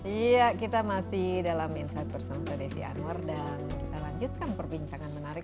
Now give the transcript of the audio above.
iya kita masih dalam insight bersama saya desi anwar dan kita lanjutkan perbincangan menarik